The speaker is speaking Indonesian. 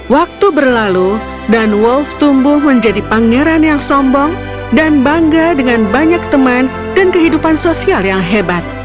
waktu berlalu dan wolf tumbuh menjadi pangeran yang sombong dan bangga dengan banyak teman dan kehidupan sosial yang hebat